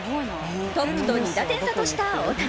トップと２打点差として大谷。